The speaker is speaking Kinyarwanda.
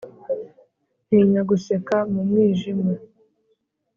Ntinya guseka mu mwijima